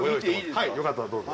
はいよかったらどうぞ。